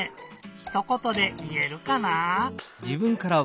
ひとことでいえるかな？